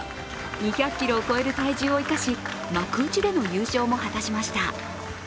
２００ｋｇを超える体重を生かし、幕内での優勝も果たしました。